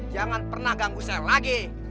jangan pernah ganggu saya lagi